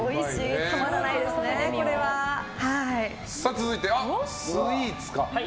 続いて、スイーツ。